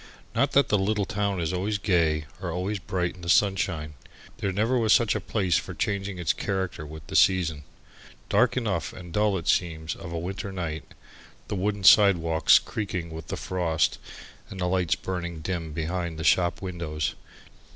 Not that the little town is always gay or always bright in the sunshine. There never was such a place for changing its character with the season. Dark enough and dull it seems of a winter night, the wooden sidewalks creaking with the frost, and the lights burning dim behind the shop windows.